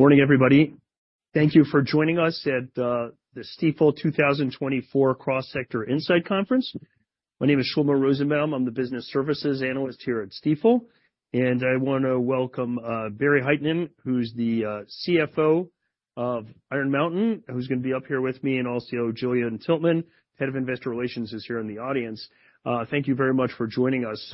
Morning, everybody. Thank you for joining us at the Stifel 2024 Cross Sector Insight Conference. My name is Shlomo Rosenbaum. I'm the business services analyst here at Stifel, and I wanna welcome Barry Hytinen, who's the CFO of Iron Mountain, who's gonna be up here with me, and also Gillian Tiltman, head of Investor Relations, is here in the audience. Thank you very much for joining us.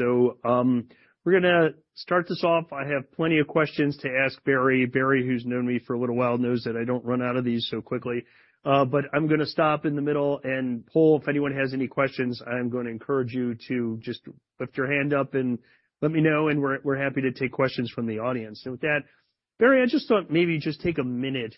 We're gonna start this off. I have plenty of questions to ask Barry. Barry, who's known me for a little while, knows that I don't run out of these so quickly. But I'm gonna stop in the middle and poll. If anyone has any questions, I'm gonna encourage you to just put your hand up and let me know, and we're happy to take questions from the audience. So with that, Barry, I just thought maybe just take a minute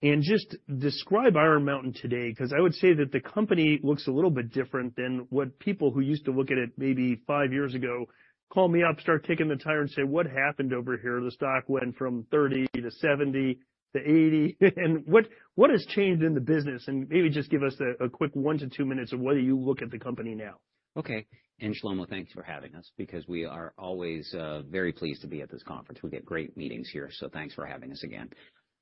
and just describe Iron Mountain today. 'Cause I would say that the company looks a little bit different than what people who used to look at it maybe 5 years ago, call me up, start kicking the tire and say, "What happened over here? The stock went from $30 to $70 to $80." And what, what has changed in the business? And maybe just give us a quick 1-2 minutes of the way you look at the company now. Okay. Shlomo, thank you for having us, because we are always very pleased to be at this conference. We get great meetings here, so thanks for having us again.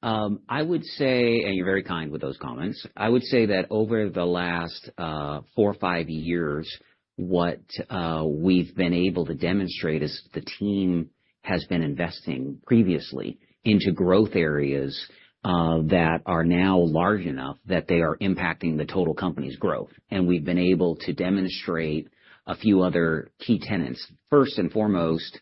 I would say... And you're very kind with those comments. I would say that over the last four or five years, we've been able to demonstrate is the team has been investing previously into growth areas that are now large enough that they are impacting the total company's growth. And we've been able to demonstrate a few other key tenets. First and foremost,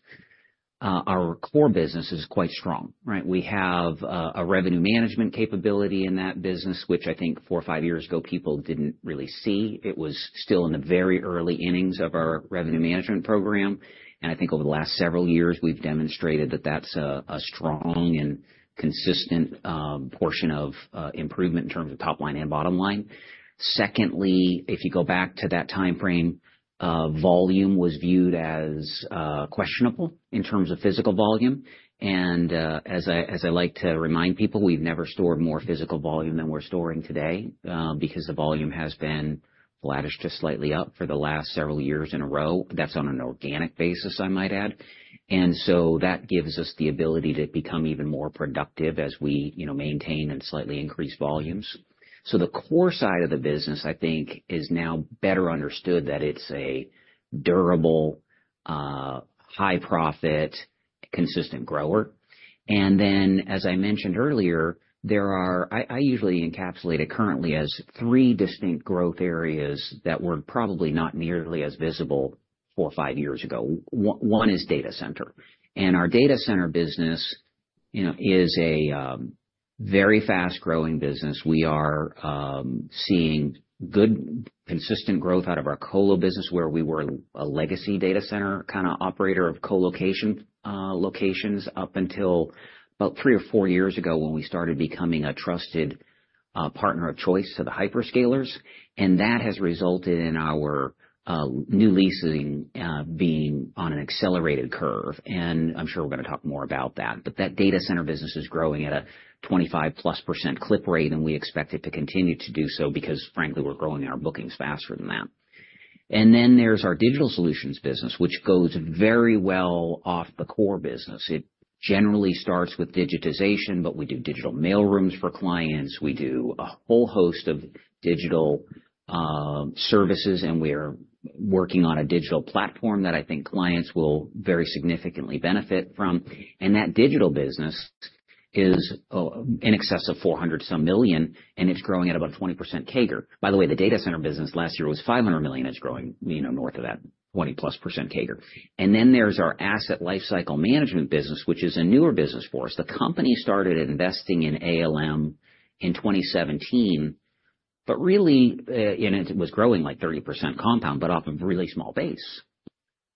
our core business is quite strong, right? We have a revenue management capability in that business, which I think four or five years ago, people didn't really see. It was still in the very early innings of our revenue management program, and I think over the last several years, we've demonstrated that that's a strong and consistent portion of improvement in terms of top line and bottom line. Secondly, if you go back to that time frame, volume was viewed as questionable in terms of physical volume, and as I like to remind people, we've never stored more physical volume than we're storing today, because the volume has been flattish to slightly up for the last several years in a row. That's on an organic basis, I might add. And so that gives us the ability to become even more productive as we, you know, maintain and slightly increase volumes. So the core side of the business, I think, is now better understood that it's a durable, high profit, consistent grower. And then, as I mentioned earlier, there are. I usually encapsulate it currently as three distinct growth areas that were probably not nearly as visible four or five years ago. One is data center. And our data center business, you know, is a very fast-growing business. We are seeing good, consistent growth out of our colo business, where we were a legacy data center, kind of, operator of colocation locations, up until about three or four years ago, when we started becoming a trusted partner of choice to the hyperscalers. And that has resulted in our new leasing being on an accelerated curve, and I'm sure we're gonna talk more about that. But that data center business is growing at a 25%+ clip rate, and we expect it to continue to do so because, frankly, we're growing our bookings faster than that. And then there's our digital solutions business, which goes very well off the core business. It generally starts with digitization, but we do digital mail rooms for clients. We do a whole host of digital services, and we are working on a digital platform that I think clients will very significantly benefit from. And that digital business is in excess of $400 million, and it's growing at about a 20% CAGR. By the way, the data center business last year was $500 million, it's growing, you know, north of that 20%+ CAGR. And then there's our asset lifecycle management business, which is a newer business for us. The company started investing in ALM in 2017, but really, and it was growing, like, 30% compound, but off a really small base.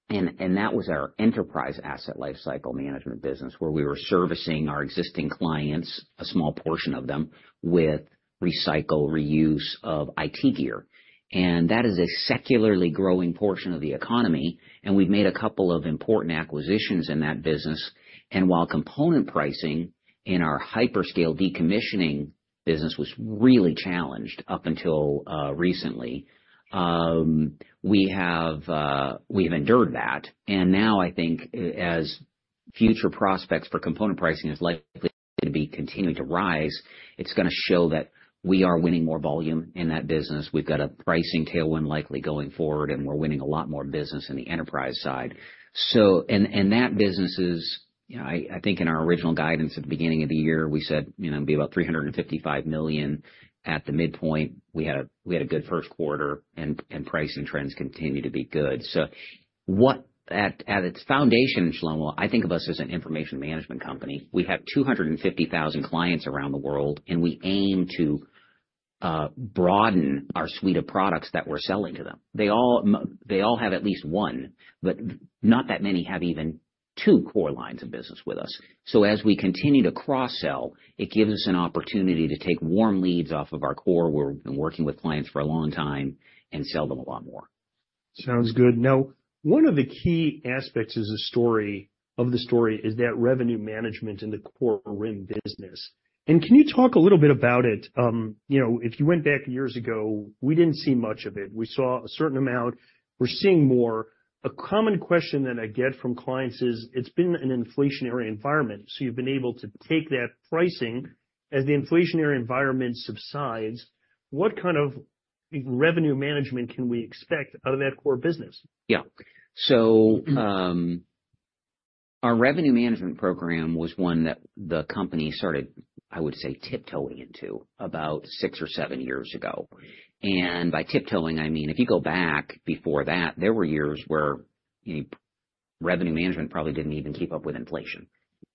And, and that was our enterprise asset lifecycle management business, where we were servicing our existing clients, a small portion of them, with recycle, reuse of IT gear. And that is a secularly growing portion of the economy, and we've made a couple of important acquisitions in that business. And while component pricing in our hyperscale decommissioning business was really challenged up until, recently, we have, we have endured that. And now I think as future prospects for component pricing is likely to be continuing to rise, it's gonna show that we are winning more volume in that business. We've got a pricing tailwind likely going forward, and we're winning a lot more business in the enterprise side. So... That business is, you know, I think in our original guidance at the beginning of the year, we said, you know, it'd be about $355 million at the midpoint. We had a good 1Q, and pricing trends continue to be good. So what at its foundation, Shlomo, I think of us as an information management company. We have 250,000 clients around the world, and we aim to broaden our suite of products that we're selling to them. They all have at least one, but not that many have even two core lines of business with us. As we continue to cross-sell, it gives us an opportunity to take warm leads off of our core, where we've been working with clients for a long time, and sell them a lot more. Sounds good. Now, one of the key aspects is the story of the story is that revenue management in the core RIM business. And can you talk a little bit about it? You know, if you went back years ago, we didn't see much of it. We saw a certain amount. We're seeing more. A common question that I get from clients is: It's been an inflationary environment, so you've been able to take that pricing. As the inflationary environment subsides, what kind of revenue management can we expect out of that core business? Yeah. So, our revenue management program was one that the company started, I would say, tiptoeing into about 6 or 7 years ago. And by tiptoeing, I mean, if you go back before that, there were years where revenue management probably didn't even keep up with inflation.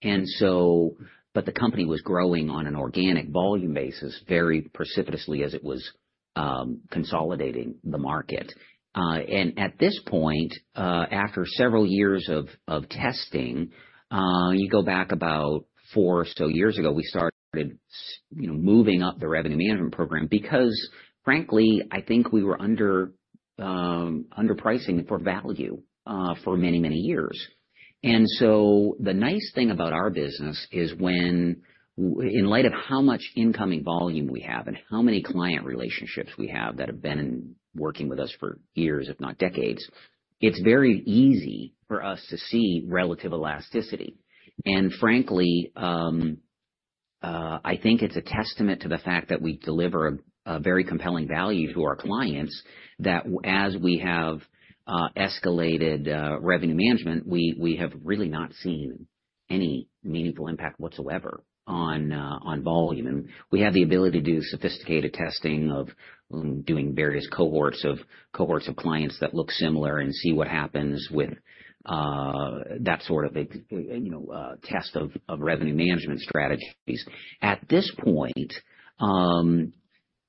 But the company was growing on an organic volume basis, very precipitously, as it was, consolidating the market. And at this point, after several years of testing, you go back about 4 or so years ago, we started, you know, moving up the revenue management program because, frankly, I think we were underpricing for value for many, many years. The nice thing about our business is when, in light of how much incoming volume we have and how many client relationships we have that have been working with us for years, if not decades, it's very easy for us to see relative elasticity. Frankly, I think it's a testament to the fact that we deliver a very compelling value to our clients, that as we have escalated revenue management, we have really not seen any meaningful impact whatsoever on volume. We have the ability to do sophisticated testing of doing various cohorts of cohorts of clients that look similar and see what happens with that sort of, you know, test of revenue management strategies. At this point,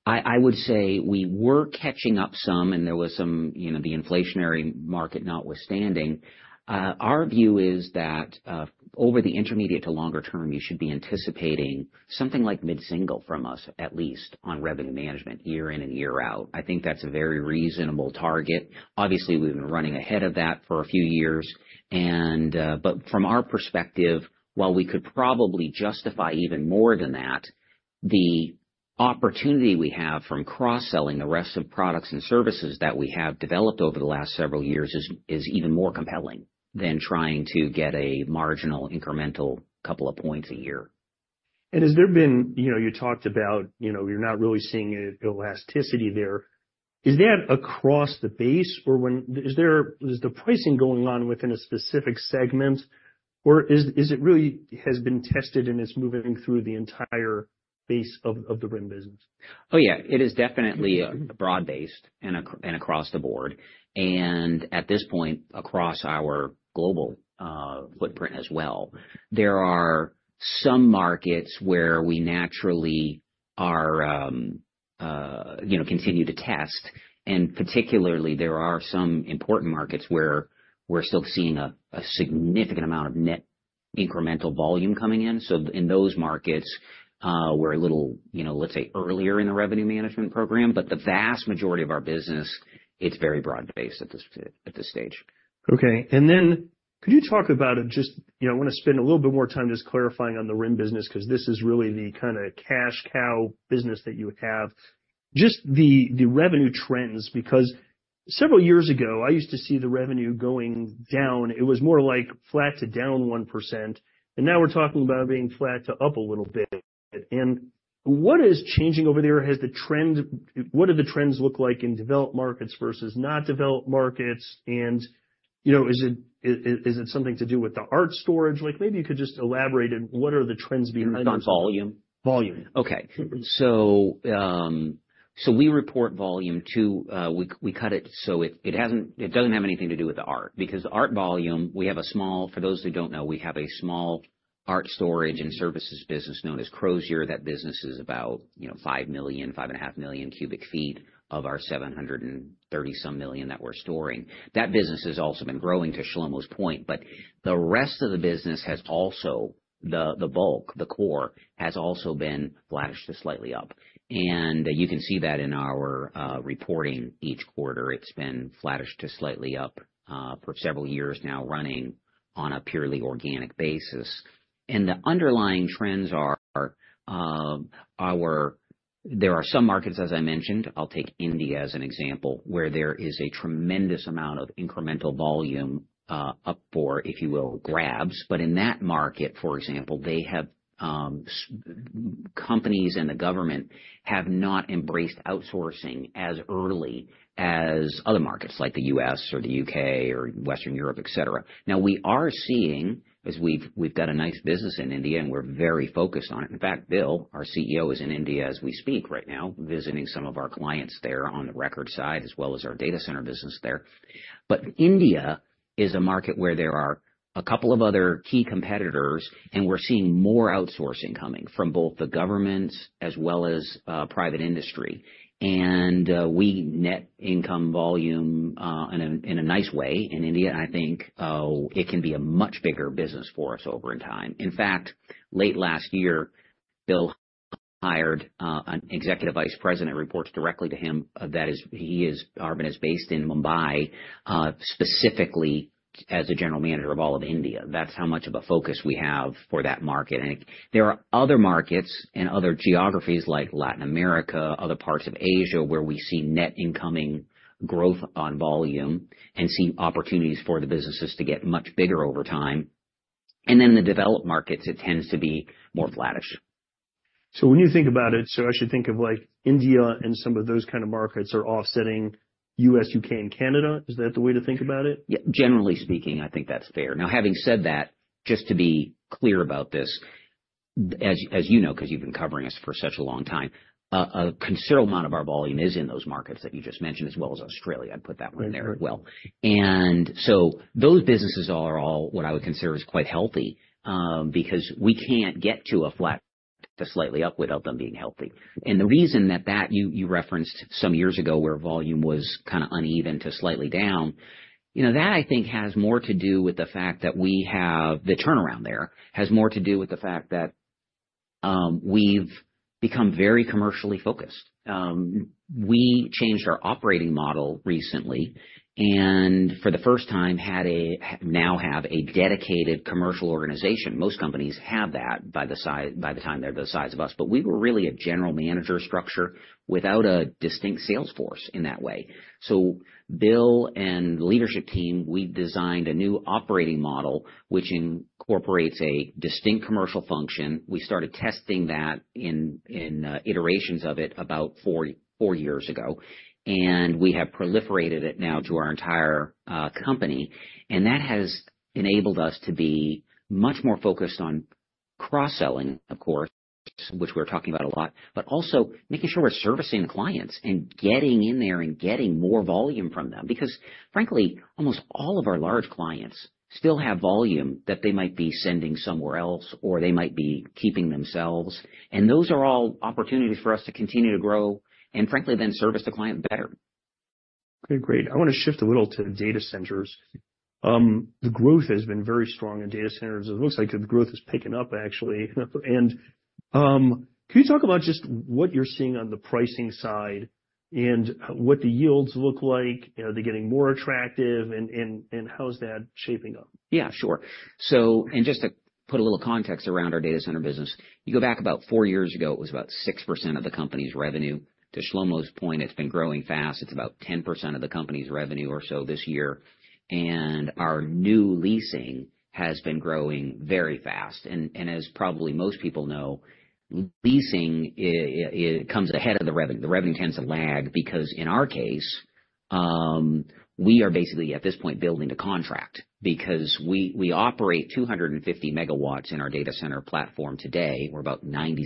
I would say we were catching up some, and there was some, you know, the inflationary market notwithstanding. Our view is that, over the intermediate to longer term, you should be anticipating something like mid-single from us, at least on Revenue Management, year in and year out. I think that's a very reasonable target. Obviously, we've been running ahead of that for a few years. And, but from our perspective, while we could probably justify even more than that, the opportunity we have from cross-selling the rest of products and services that we have developed over the last several years, is even more compelling than trying to get a marginal incremental couple of points a year. Has there been... You know, you talked about, you know, you're not really seeing elasticity there. Is that across the base, or is the pricing going on within a specific segment, or is it really has been tested and is moving through the entire base of the RIM business? Oh, yeah, it is definitely broad-based and across the board, and at this point, across our global footprint as well. There are some markets where we naturally are, you know, continue to test, and particularly there are some important markets where we're still seeing a significant amount of net incremental volume coming in. So in those markets, we're a little, you know, let's say, earlier in the revenue management program, but the vast majority of our business, it's very broad-based at this stage. Okay, and then could you talk about just. You know, I want to spend a little bit more time just clarifying on the RIM business, because this is really the kinda cash cow business that you have. Just the, the revenue trends, because several years ago, I used to see the revenue going down. It was more like flat to down 1%, and now we're talking about being flat to up a little bit. What is changing over there? Has the trend - what do the trends look like in developed markets versus not developed markets? You know, is it, is, is it something to do with the art storage? Like, maybe you could just elaborate on what are the trends being- On volume? Volume. Okay. So we report volume too, we cut it, so it hasn't, it doesn't have anything to do with the art, because art volume, we have a small—for those who don't know, we have a small art storage and services business known as Crozier. That business is about, you know, 5 million, 5.5 million cubic feet of our 730-some million that we're storing. That business has also been growing, to Shlomo's point, but the rest of the business has also, the bulk, the core, has also been flattish to slightly up. And you can see that in our reporting each quarter, it's been flattish to slightly up, for several years now, running on a purely organic basis. The underlying trends are there are some markets, as I mentioned, I'll take India as an example, where there is a tremendous amount of incremental volume up for, if you will, grabs. But in that market, for example, they have companies and the government have not embraced outsourcing as early as other markets like the U.S. or the U.K. or Western Europe, et cetera. Now, we are seeing, as we've got a nice business in India, and we're very focused on it. In fact, Bill, our CEO, is in India as we speak right now, visiting some of our clients there on the records side, as well as our data center business there. But India is a market where there are a couple of other key competitors, and we're seeing more outsourcing coming from both the governments as well as private industry. We net income volume in a nice way in India, and I think it can be a much bigger business for us over in time. In fact, late last year, Bill hired an executive vice president, reports directly to him, that is, he is, Arvind, is based in Mumbai, specifically as a general manager of all of India. That's how much of a focus we have for that market. And there are other markets and other geographies like Latin America, other parts of Asia, where we see net incoming growth on volume and see opportunities for the businesses to get much bigger over time. And then in the developed markets, it tends to be more flattish. So when you think about it, I should think of, like, India and some of those kind of markets are offsetting US, UK, and Canada? Is that the way to think about it? Yeah, generally speaking, I think that's fair. Now, having said that, just to be clear about this, as you know, because you've been covering us for such a long time, a considerable amount of our volume is in those markets that you just mentioned, as well as Australia. I'd put that one in there as well. And so those businesses are all what I would consider as quite healthy, because we can't get to a flat to slightly up without them being healthy. And the reason that you referenced some years ago, where volume was kind of uneven to slightly down, you know, that I think has more to do with the fact that we have the turnaround there, has more to do with the fact that we've become very commercially focused. We changed our operating model recently, and for the first time, now have a dedicated commercial organization. Most companies have that by the time they're the size of us, but we were really a general manager structure without a distinct sales force in that way. Bill and the leadership team, we've designed a new operating model, which incorporates a distinct commercial function. We started testing that in iterations of it about 4 years ago, and we have proliferated it now to our entire company. That has enabled us to be much more focused on cross-selling, of course, which we're talking about a lot, but also making sure we're servicing the clients and getting in there and getting more volume from them. Because, frankly, almost all of our large clients still have volume that they might be sending somewhere else or they might be keeping themselves. And those are all opportunities for us to continue to grow and frankly, then service the client better. Okay, great. I want to shift a little to data centers. The growth has been very strong in data centers. It looks like the growth is picking up, actually. And, can you talk about just what you're seeing on the pricing side and, what the yields look like? You know, are they getting more attractive, and how is that shaping up? Yeah, sure. So, just to put a little context around our data center business, you go back about 4 years ago, it was about 6% of the company's revenue. To Shlomo's point, it's been growing fast. It's about 10% of the company's revenue or so this year, and our new leasing has been growing very fast. And as probably most people know, leasing, it comes ahead of the revenue. The revenue tends to lag because, in our case, we are basically, at this point, building a contract because we operate 250 megawatts in our data center platform today. We're about 96%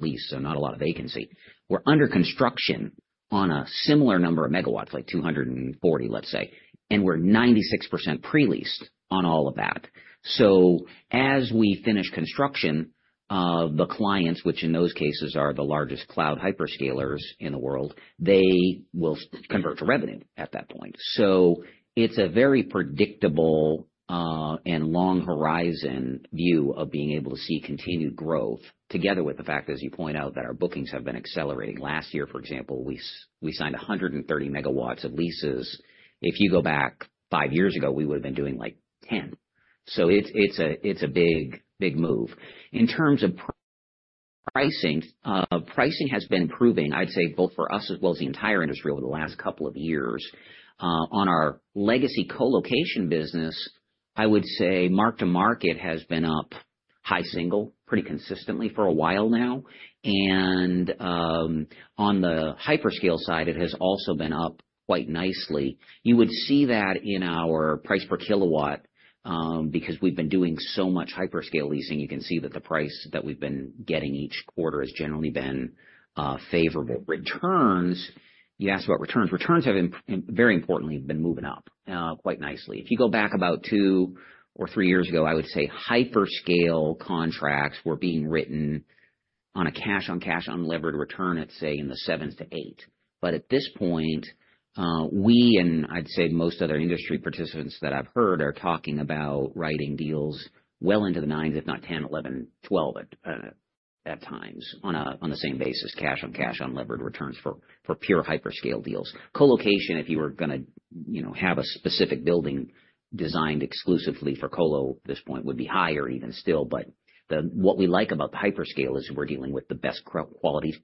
leased, so not a lot of vacancy. We're under construction on a similar number of megawatts, like 240, let's say, and we're 96% pre-leased on all of that. So as we finish construction, the clients, which in those cases are the largest cloud hyperscalers in the world, they will convert to revenue at that point. So it's a very predictable, and long-horizon view of being able to see continued growth, together with the fact, as you point out, that our bookings have been accelerating. Last year, for example, we signed 130 megawatts of leases. If you go back five years ago, we would've been doing, like, 10. So it's a big, big move. In terms of pricing, pricing has been improving, I'd say, both for us as well as the entire industry over the last couple of years. On our legacy colocation business, I would say mark-to-market has been up high single, pretty consistently for a while now. On the hyperscale side, it has also been up quite nicely. You would see that in our price per kilowatt, because we've been doing so much hyperscale leasing, you can see that the price that we've been getting each quarter has generally been favorable. Returns, you asked about returns. Returns have very importantly been moving up quite nicely. If you go back about two or three years ago, I would say hyperscale contracts were being written on a cash-on-cash, unlevered return at, say, in the 7s-8. But at this point, we, and I'd say most other industry participants that I've heard, are talking about writing deals well into the 9s, if not 10, 11, 12, at times, on the same basis, cash-on-cash, unlevered returns for pure hyperscale deals. Colocation, if you were gonna, you know, have a specific building designed exclusively for colo at this point, would be higher even still. But what we like about the hyperscale is we're dealing with the best quality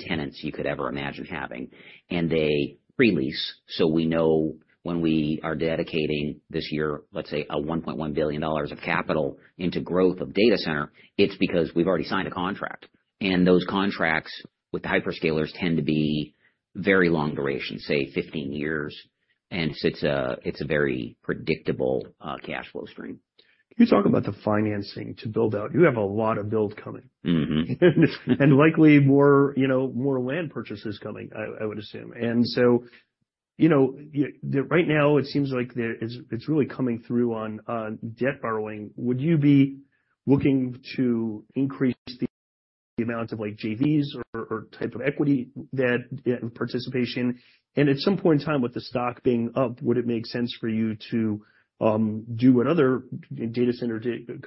tenants you could ever imagine having, and they pre-lease. So we know when we are dedicating this year, let's say, a $1.1 billion of capital into growth of data center, it's because we've already signed a contract. And those contracts with the hyperscalers tend to be very long duration, say 15 years, and so it's a, it's a very predictable cash flow stream. Can you talk about the financing to build out? You have a lot of build coming. And likely more, you know, more land purchases coming, I would assume. So, you know, right now, it seems like it's really coming through on debt borrowing. Would you be looking to increase the amount of, like, JVs or type of equity participation? And at some point in time, with the stock being up, would it make sense for you to do what other data center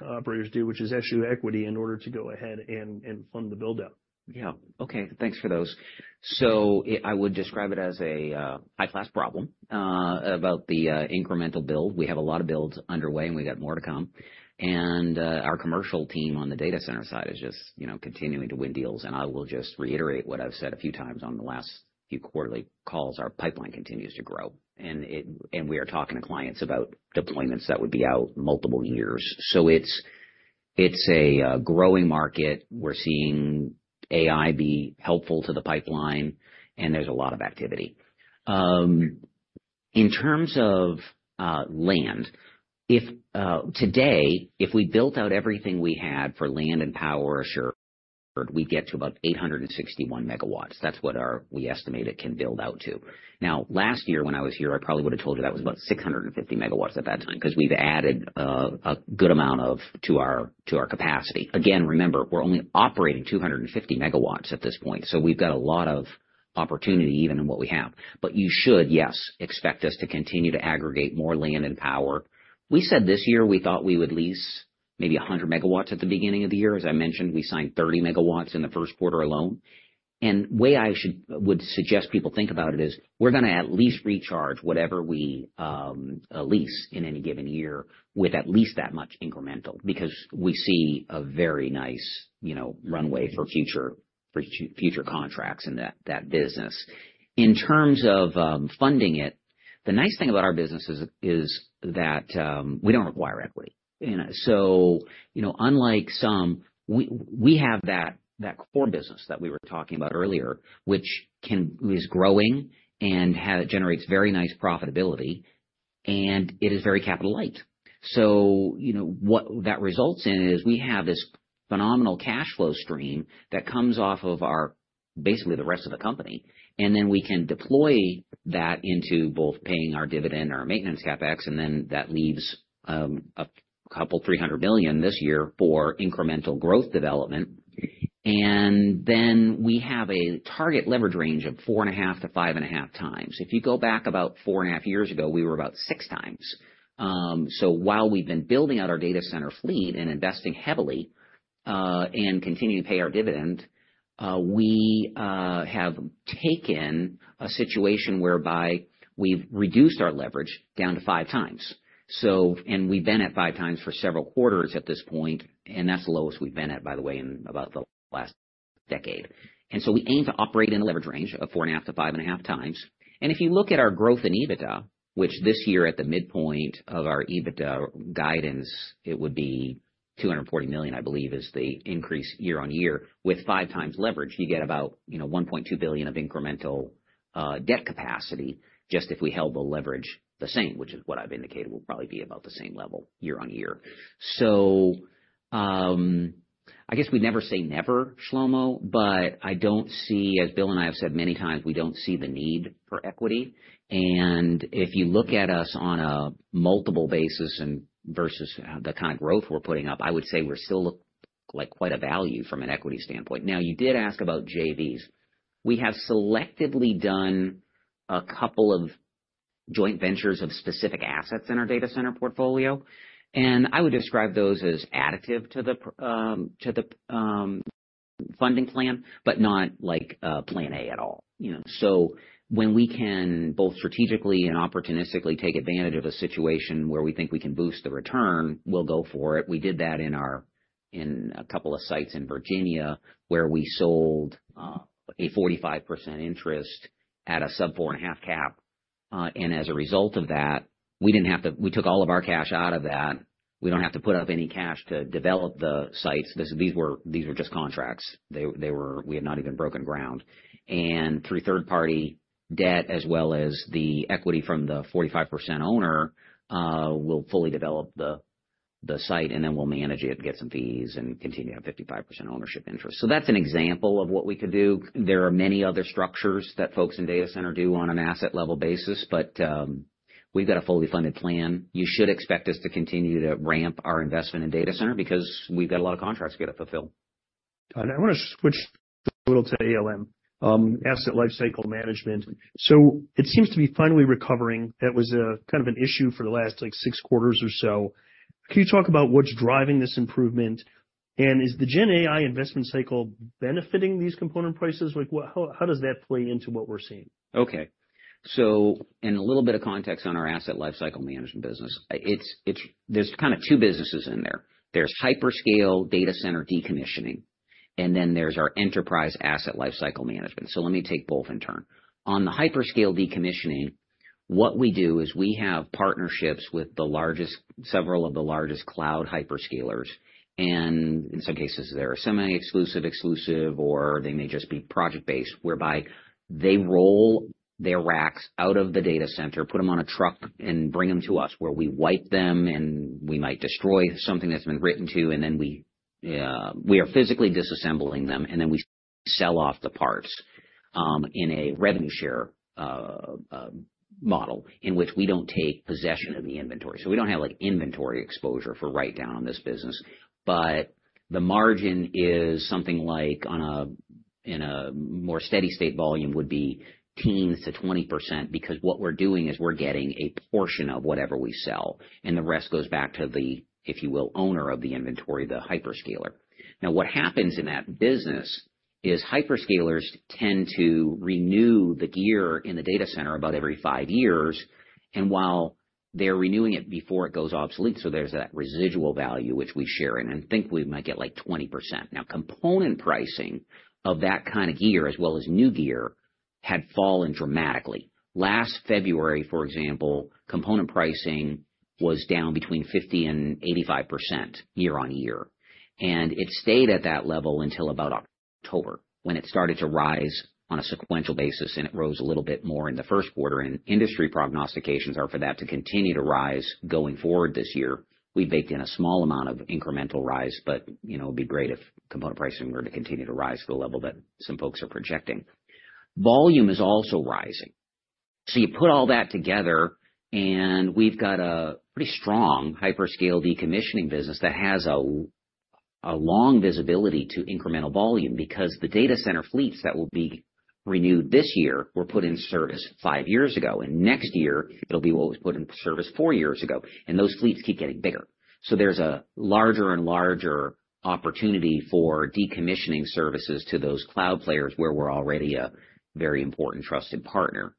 operators do, which is issue equity in order to go ahead and fund the build-out? Yeah. Okay, thanks for those. So I would describe it as a high-class problem about the incremental build. We have a lot of builds underway, and we got more to come. And our commercial team on the data center side is just, you know, continuing to win deals. And I will just reiterate what I've said a few times on the last few quarterly calls, our pipeline continues to grow, and we are talking to clients about deployments that would be out multiple years. So it's a growing market. We're seeing AI be helpful to the pipeline, and there's a lot of activity. In terms of land, if today we built out everything we had for land and power assured, we'd get to about 861 megawatts. That's what we estimate it can build out to. Now, last year, when I was here, I probably would have told you that was about 650 megawatts at that time, 'cause we've added a good amount of to our capacity. Again, remember, we're only operating 250 megawatts at this point, so we've got a lot of opportunity even in what we have. But you should, yes, expect us to continue to aggregate more land and power. We said this year, we thought we would lease maybe 100 megawatts at the beginning of the year. As I mentioned, we signed 30 megawatts in the 1Q alone. One way I would suggest people think about it is, we're gonna at least recharge whatever we lease in any given year with at least that much incremental, because we see a very nice, you know, runway for future contracts in that business. In terms of funding it, the nice thing about our business is that we don't require equity. You know, so, you know, unlike some, we have that core business that we were talking about earlier, which is growing and generates very nice profitability, and it is very capital light. So, you know, what that results in is we have this phenomenal cash flow stream that comes off of our, basically, the rest of the company, and then we can deploy that into both paying our dividend, our maintenance CapEx, and then that leaves a couple $300 million this year for incremental growth development. And then we have a target leverage range of 4.5x-5.5x. If you go back about 4.5 years ago, we were about 6 times. So while we've been building out our data center fleet and investing heavily, and continuing to pay our dividend, we have taken a situation whereby we've reduced our leverage down to 5x. We've been at 5x for several quarters at this point, and that's the lowest we've been at, by the way, in about the last decade. So we aim to operate in a leverage range of 4.5x-5.5x. And if you look at our growth in EBITDA, which this year, at the midpoint of our EBITDA guidance, it would be $240 million, I believe, is the increase year-over-year. With 5x leverage, you get about, you know, $1.2 billion of incremental debt capacity, just if we held the leverage the same, which is what I've indicated will probably be about the same level year-over-year. So I guess we'd never say never, Shlomo, but I don't see... As Bill and I have said many times, we don't see the need for equity. And if you look at us on a multiple basis and versus the kind of growth we're putting up, I would say we're still look like quite a value from an equity standpoint. Now, you did ask about JVs. We have selectively done a couple of joint ventures of specific assets in our data center portfolio, and I would describe those as additive to the funding plan, but not like plan A at all, you know. So when we can, both strategically and opportunistically, take advantage of a situation where we think we can boost the return, we'll go for it. We did that in a couple of sites in Virginia, where we sold a 45% interest at a sub-4.5 cap. And as a result of that, we didn't have to. We took all of our cash out of that. We don't have to put up any cash to develop the sites. These were, these were just contracts. They, they were. We had not even broken ground. And through third-party debt, as well as the equity from the 45% owner, we'll fully develop the, the site, and then we'll manage it and get some fees and continue to own 55% ownership interest. So that's an example of what we could do. There are many other structures that folks in data center do on an asset level basis, but, we've got a fully funded plan. You should expect us to continue to ramp our investment in data center because we've got a lot of contracts to get fulfilled. I want to switch a little to ALM, Asset Lifecycle Management. So it seems to be finally recovering. That was a kind of an issue for the last, like, six quarters or so. Can you talk about what's driving this improvement? And is the GenAI investment cycle benefiting these component prices? Like, what, how, how does that play into what we're seeing? Okay. So in a little bit of context on our asset lifecycle management business, it's, there's kind of two businesses in there. There's hyperscale data center decommissioning, and then there's our enterprise asset lifecycle management. So let me take both in turn. On the hyperscale decommissioning, what we do is we have partnerships with several of the largest cloud hyperscalers, and in some cases, they're semi-exclusive, exclusive, or they may just be project-based, whereby they roll their racks out of the data center, put them on a truck, and bring them to us, where we wipe them, and we might destroy something that's been written to, and then we are physically disassembling them, and then we sell off the parts in a revenue share model, in which we don't take possession of the inventory. So we don't have, like, inventory exposure for write-down on this business, but the margin is something like in a more steady state volume, would be teens to 20%, because what we're doing is we're getting a portion of whatever we sell, and the rest goes back to the, if you will, owner of the inventory, the hyperscaler. Now, what happens in that business is hyperscalers tend to renew the gear in the data center about every 5 years, and while they're renewing it before it goes obsolete, so there's that residual value, which we share in, and think we might get, like, 20%. Now, component pricing of that kind of gear, as well as new gear, had fallen dramatically. Last February, for example, component pricing was down between 50% and 85% year-on-year, and it stayed at that level until about October, when it started to rise on a sequential basis, and it rose a little bit more in the 1Q, and industry prognostications are for that to continue to rise going forward this year. We've baked in a small amount of incremental rise, but, you know, it'd be great if component pricing were to continue to rise to the level that some folks are projecting. Volume is also rising. So you put all that together, and we've got a pretty strong hyperscale decommissioning business that has a long visibility to incremental volume because the data center fleets that will be renewed this year were put in service five years ago, and next year, it'll be what was put in service four years ago, and those fleets keep getting bigger. So there's a larger and larger opportunity for decommissioning services to those cloud players, where we're already a very important, trusted partner.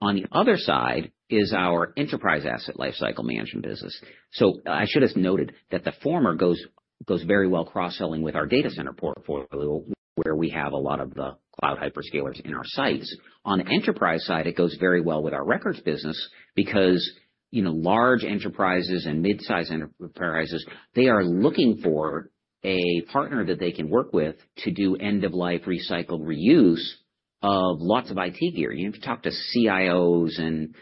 On the other side is our enterprise asset lifecycle management business. So I should have noted that the former goes very well cross-selling with our data center portfolio, where we have a lot of the cloud hyperscalers in our sites. On the enterprise side, it goes very well with our records business because, you know, large enterprises and mid-sized enterprises, they are looking for a partner that they can work with to do end-of-life recycled reuse of lots of IT gear. You know, if you talk to CIOs and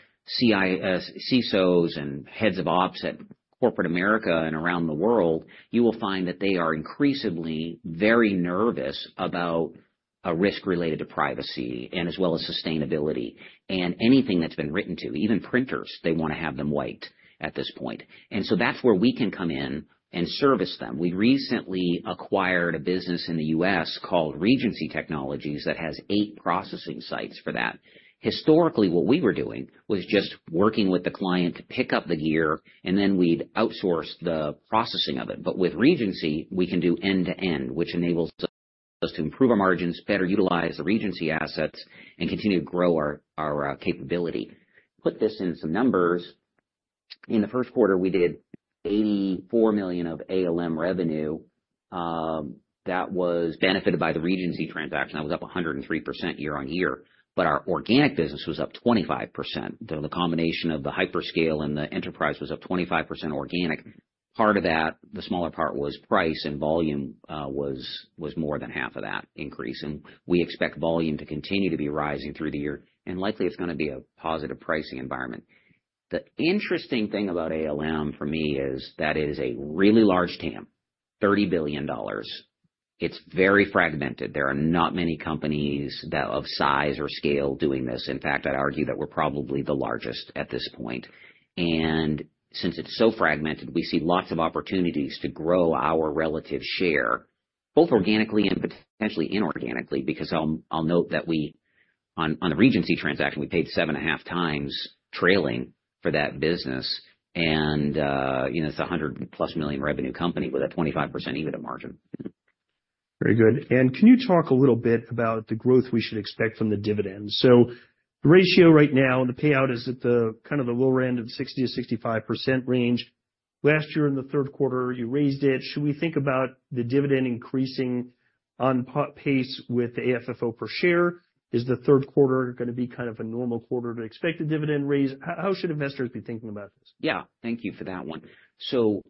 CISOs and CSOs and heads of ops at corporate America and around the world, you will find that they are increasingly very nervous about a risk related to privacy and as well as sustainability. And anything that's been written to, even printers, they want to have them wiped at this point. And so that's where we can come in and service them. We recently acquired a business in the U.S called Regency Technologies, that has eight processing sites for that. Historically, what we were doing was just working with the client to pick up the gear, and then we'd outsource the processing of it. But with Regency, we can do end-to-end, which enables us to improve our margins, better utilize the Regency assets, and continue to grow our capability. Put this in some numbers: In the 1Q, we did $84 million of ALM revenue, that was benefited by the Regency transaction. That was up 103% year-on-year, but our organic business was up 25%. The combination of the hyperscale and the enterprise was up 25% organic. Part of that, the smaller part, was price and volume, was more than half of that increase, and we expect volume to continue to be rising through the year, and likely it's gonna be a positive pricing environment. The interesting thing about ALM, for me, is that it is a really large TAM, $30 billion. It's very fragmented. There are not many companies that have size or scale doing this. In fact, I'd argue that we're probably the largest at this point. And since it's so fragmented, we see lots of opportunities to grow our relative share, both organically and potentially inorganically, because I'll note that we -- on the Regency transaction, we paid 7.5x trailing for that business, and, you know, it's a $100+ million revenue company with a 25% EBITDA margin. Very good. And can you talk a little bit about the growth we should expect from the dividend? So the ratio right now, the payout is at the kind of the lower end of the 60%-65% range. Last year, in the 3Q, you raised it. Should we think about the dividend increasing on pace with the AFFO per share? Is the 3Q gonna be kind of a normal quarter to expect a dividend raise? How should investors be thinking about this? Yeah, thank you for that one. So,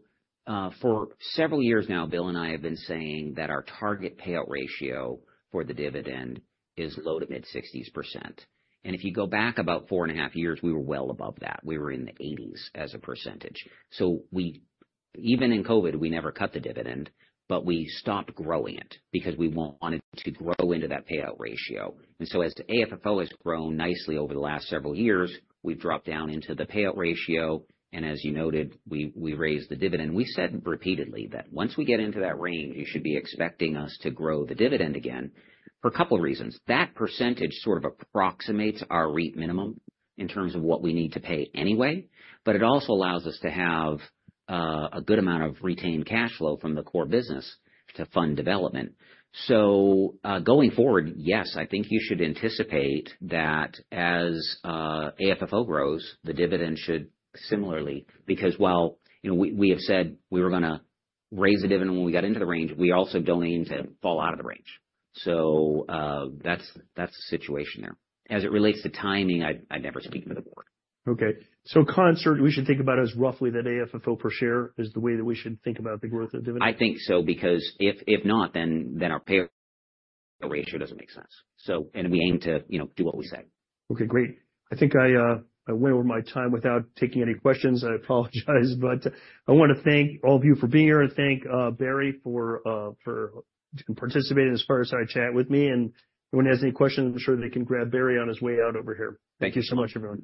for several years now, Bill and I have been saying that our target payout ratio for the dividend is low- to mid-60s%. And if you go back about 4.5 years, we were well above that. We were in the 80s%. So we... Even in COVID, we never cut the dividend, but we stopped growing it because we won't want it to grow into that payout ratio. And so as to AFFO has grown nicely over the last several years, we've dropped down into the payout ratio, and as you noted, we raised the dividend. We said repeatedly that once we get into that range, you should be expecting us to grow the dividend again for a couple reasons. That percentage sort of approximates our REIT minimum in terms of what we need to pay anyway, but it also allows us to have a good amount of retained cash flow from the core business to fund development. So, going forward, yes, I think you should anticipate that as AFFO grows, the dividend should similarly, because while, you know, we, we have said we were gonna raise the dividend when we got into the range, we also don't need to fall out of the range. So, that's, that's the situation there. As it relates to timing, I, I never speak for the board. Okay, so consensus, we should think about it as roughly that AFFO per share is the way that we should think about the growth of dividend? I think so, because if not, then our pay ratio doesn't make sense. And we aim to, you know, do what we say. Okay, great. I think I went over my time without taking any questions. I apologize, but I want to thank all of you for being here, and thank Barry for participating as far as our chat with me, and if anyone has any questions, I'm sure they can grab Barry on his way out over here. Thank you so much, everyone.